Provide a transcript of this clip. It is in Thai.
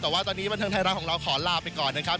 แต่ว่าตอนนี้บรรเทิงไทยรัฐของเราขอลาไปก่อนนะครับ